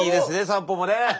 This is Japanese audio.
散歩もね。